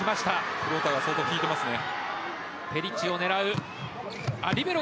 フローターが相当効いていますね。